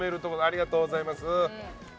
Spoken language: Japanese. ありがとうございます。